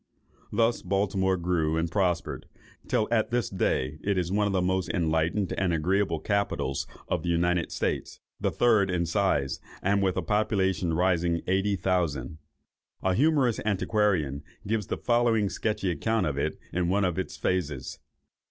Thus Baltimore grew and prospered, till at this day it is one of the most enlightened and agreeable capitals of the United States, the third in size, and with a population rising eighty thousand. A humorous antiquarian gives the following sketchy account of it in one of its phases.